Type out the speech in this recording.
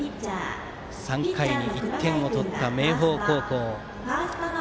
３回に１点を取った明豊高校。